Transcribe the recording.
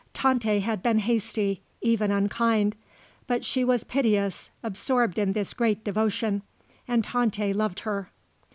Tante had been hasty, even unkind; but she was piteous, absorbed in this great devotion; and Tante loved her.